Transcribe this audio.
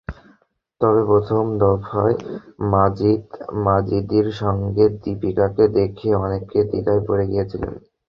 তবে প্রথম দফায় মাজিদ মাজিদির সঙ্গে দীপিকাকে দেখে অনেকে দ্বিধায় পড়ে গিয়েছিলেন।